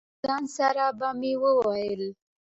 له ځان سره به مې وویل.